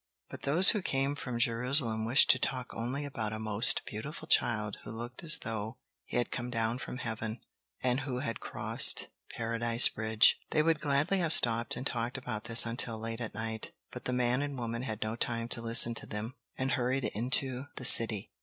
But those who came from Jerusalem wished to talk only about a most beautiful child who looked as though he had come down from heaven, and who had crossed Paradise Bridge. They would gladly have stopped and talked about this until late at night, but the man and woman had no time to listen to them, and hurried into the city.